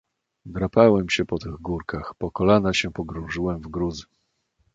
"Drapałem się po tych górkach, po kolana się pogrążyłem w gruzy."